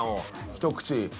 一口。